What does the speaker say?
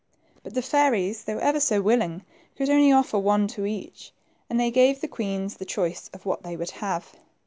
But the fairies, though ever so willing, could only offer one to each, and they gave the queens the choice of what they would have.